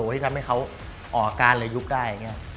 ที่ทำให้เขาออกอาการหรือลงได้